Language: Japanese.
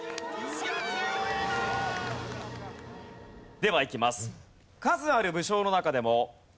ではいきます。